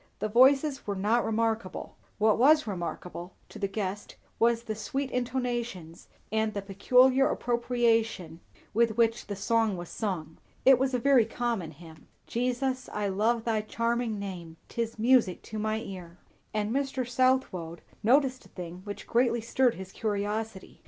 The voices were not remarkable; what was remarkable, to the guest, was the sweet intonations and the peculiar appropriation with which the song was sung. It was a very common hymn, "Jesus, I love thy charming name, 'Tis music to my ear;" And Mr. Southwode noticed a thing which greatly stirred his curiosity.